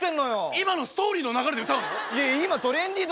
今のストーリーの流れで歌うの？